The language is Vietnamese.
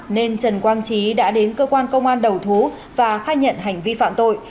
nên trần quang trí đã đến cơ quan công an đầu thú và khai nhận hành vi phạm tội